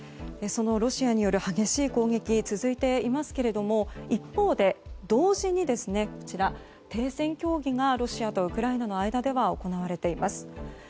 そのロシアによる激しい攻撃が続いていますが一方で同時に停戦協議がロシアとウクライナの間で行われています。